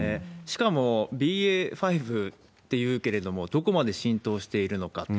しかも、ＢＡ．５というけれども、どこまで浸透しているのかと。